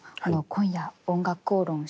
今夜「おんがくこうろん」